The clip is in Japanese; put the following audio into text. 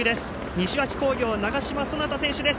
西脇工業の長嶋幸宝選手です。